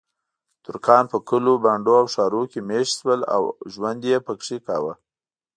ترکان په کلیو، بانډو او ښارونو کې میشت شول او ژوند یې پکې کاوه.